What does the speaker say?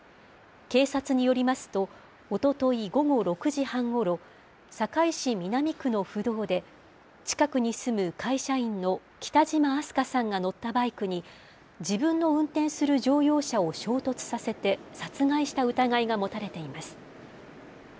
警察によりますと、おととい午後６時半ごろ、堺市南区の府道で、近くに住む会社員の北島明日翔さんが乗ったバイクに、自分の運転する乗用車を衝突させて殺害した疑いが持たれています。